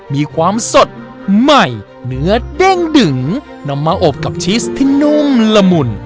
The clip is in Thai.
มีความสดใหม่เนื้อเด้งดึงนำมาอบกับชีสที่นุ่มละมุน